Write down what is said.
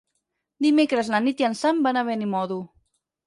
Dimecres na Nit i en Sam van a Benimodo.